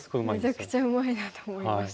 めちゃくちゃうまいなと思いました。